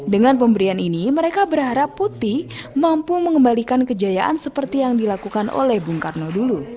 dengan pemberian ini mereka berharap putih mampu mengembalikan kejayaan seperti yang dilakukan oleh bung karno dulu